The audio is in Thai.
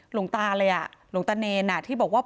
หลวงตาเลยอ่ะหลวงตาเนรที่บอกว่า